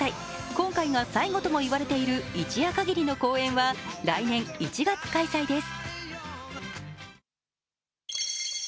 今回が最後ともいわれている一夜限りの公演は来年１月開催です。